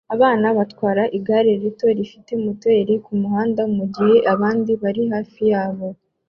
Abana batwara igare rito rifite moteri kumuhanda mugihe abandi bari hafi yabo